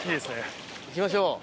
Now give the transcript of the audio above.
いきましょう。